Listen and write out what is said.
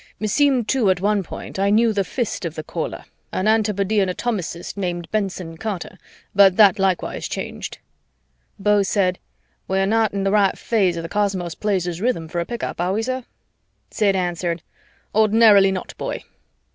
Meseemed too at one point I knew the fist of the caller an antipodean atomicist named Benson Carter but that likewise changed." Beau said, "We're not in the right phase of the cosmos Places rhythm for a pick up, are we, sir?" Sid answered, "Ordinarily not, boy."